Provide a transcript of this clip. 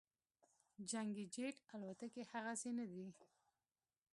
جنګي جیټ الوتکې هغسې نه دي